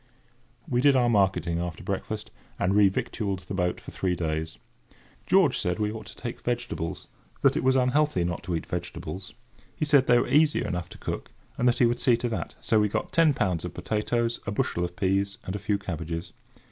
We did our marketing after breakfast, and revictualled the boat for three days. George said we ought to take vegetables—that it was unhealthy not to eat vegetables. He said they were easy enough to cook, and that he would see to that; so we got ten pounds of potatoes, a bushel of peas, and a few cabbages.